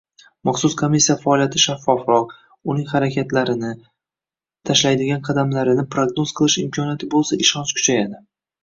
Maxusus komissiya faoliyati shaffofroq, uning harakatlarini, tashlaydigan qadamlarini prognoz qilish imkoniyati boʻlsa ishonch kuchayadi.